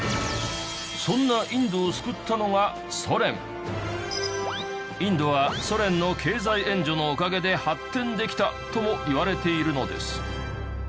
そんなインドはソ連の経済援助のおかげで発展できたともいわれているのです。